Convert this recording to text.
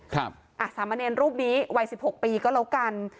สามอ่ะสามเณรรูปนี้วัยสิบหกปีก็แล้วกัน